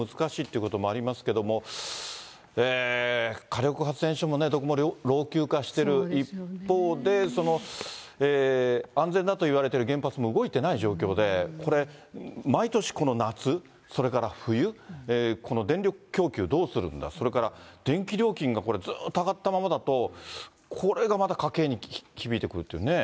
火力発電所もどこも老朽化してる一方で、安全だといわれている原発も動いていない状況で、これ、毎年この夏、それから冬、この電力供給どうするんだ、それから電気料金がこれずっと上がったままだと、これがまた家計に響いてくるっていうね。